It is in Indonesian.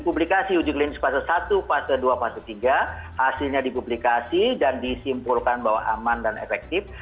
publikasi uji klinis fase satu fase dua fase tiga hasilnya dipublikasi dan disimpulkan bahwa aman dan efektif